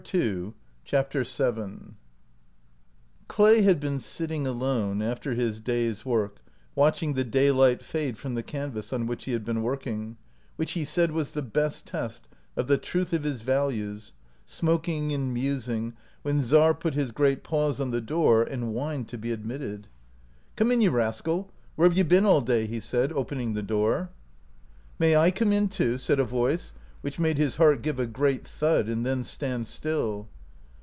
9 6 CHAPTER VII CLAY had been sitting alone after his day's work watching the daylight fade from the canvas on which he had been working, which he said was the best test of the truth of his values, smoking and musing, when Czar put his great paws on the door and whined to be admitted. 7 97 OUT OF BOHEMIA " Come in, you rascal! Where have you been all day ?" he said, opening the door. " May I come in too ?" said a voice which made his heart give a great thud and then stand still.